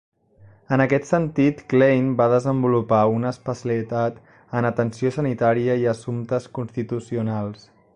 En aquest sentit, Klein va desenvolupar una especialitat en atenció sanitària i assumptes constitucionals.